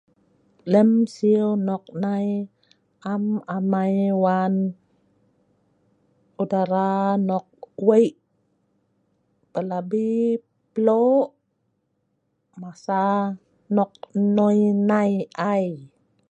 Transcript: Lem siew nok nai am amai wan' udara nok wei pelabi ploh masa nok nonoi ai.